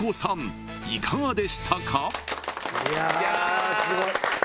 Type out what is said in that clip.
いやすごい。